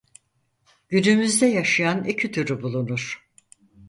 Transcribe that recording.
Günümüzde yaşayan iki türü bulunur.